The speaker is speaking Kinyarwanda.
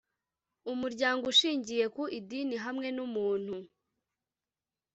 umuryango ushingiye ku idini hamwe n umuntu